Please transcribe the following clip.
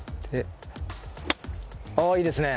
ああいいですね！